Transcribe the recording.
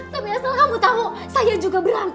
tapi asal kamu tahu saya juga bilang